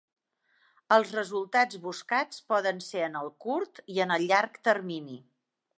Els resultats buscats poden ser en el curt i en el llarg termini.